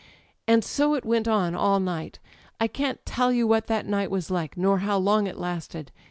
. '"And so it went on all night. I can't tell you what that night was like, nor how long it lasted.